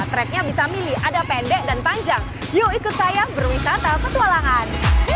tracknya bisa milih ada pendek dan panjang yuk ikut saya berwisata petualangan